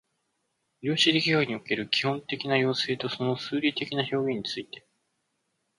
量子力学における基本的な要請とその数理的な表現について